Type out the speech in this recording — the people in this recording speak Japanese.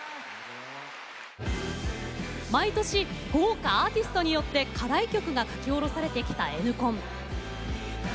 毎年豪華アーティストによって課題曲が書き下ろされてきたＮコン。